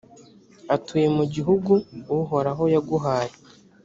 atuye mu gihugu uhoraho yaguhaye,